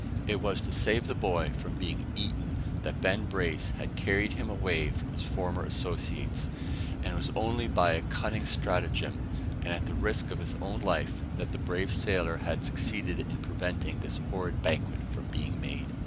It was to save the boy from being eaten that Ben Brace had carried him away from his former associates; and it was only by a cunning stratagem, and at the risk of his own life, that the brave sailor had succeeded in preventing this horrid banquet from being made!